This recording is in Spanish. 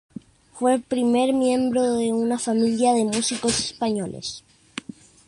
Fue el primer miembro de una familia de músicos españoles.